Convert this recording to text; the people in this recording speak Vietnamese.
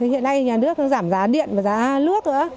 hiện nay nhà nước giảm giá điện và giá lướt